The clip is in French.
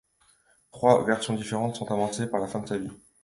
Trois versions différentes sont avancées pour la fin de sa vie.